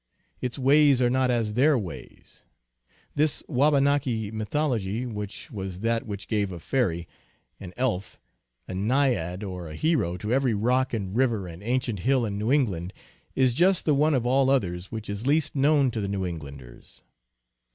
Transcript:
Its ways are not as their ways. This Waba naki mythology, which was that which gave a fairy, an elf, a naiad, or a hero to every rock and river and ancient hill in New England, is just the one of all others which is least known to the New Englanders.